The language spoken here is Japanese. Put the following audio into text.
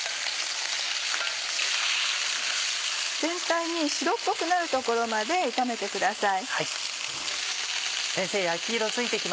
全体に白っぽくなるところまで炒めてください。